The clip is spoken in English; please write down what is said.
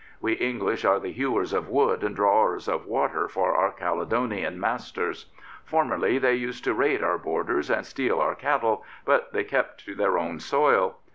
We English are the hewers of wood and drawers of water for our Caledonian masters. Formerly they used to raid our borders and steal our cattle, but they kept to their own soil.